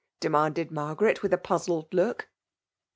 demanded Margaret, a pozzled look.